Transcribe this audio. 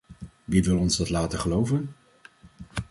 Wie wil ons dat laten geloven?